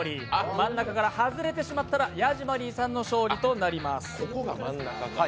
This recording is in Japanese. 真ん中から外れてしまったらヤジマリーさんの勝利となります。